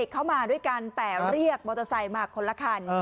เขามาด้วยกันแต่เรียกมอเตอร์ไซค์มาคนละคัน